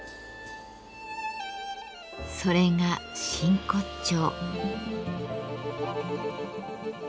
それが真骨頂。